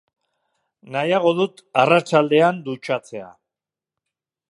Nahiago dut arratsaldean dutxatzea.